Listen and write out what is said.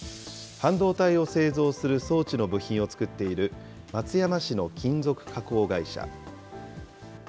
半導体を製造する装置の部品を作っている、松山市の金属加工会社。